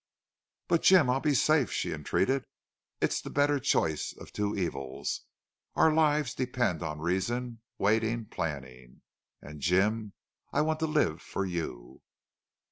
"But, Jim, I'll be safe," she entreated. "It's the better choice of two evils. Our lives depend on reason, waiting, planning. And, Jim, I want to live for you."